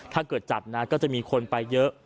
ถ้าเกิดจัดนะก็จะมีคนไปเยอะ